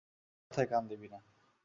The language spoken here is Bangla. ওর কথায় কান দিবি না।